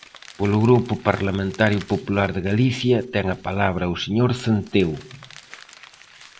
Polo Grupo Parlamentario Popular de Galicia, ten a palabra o señor Centeo.